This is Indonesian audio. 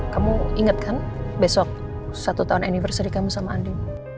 kamu inget kan besok satu tahun anniversary kamu sama andi